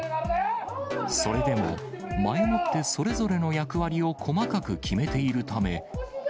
それでも、前もってそれぞれの役割を細かく決めているため。